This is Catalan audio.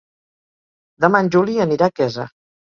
Demà en Juli anirà a Quesa.